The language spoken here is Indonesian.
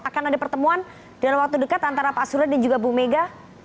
akan ada pertemuan dalam waktu dekat antara pak surya dan juga bu mega